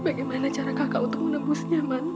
bagaimana cara kakak untuk menembusnya man